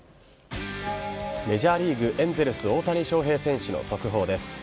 メジャーリーグ、エンゼルス大谷翔平選手の速報です。